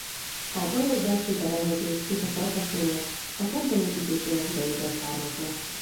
A barokk belső berendezés és a falfestmények a templom építésének idejéből származnak.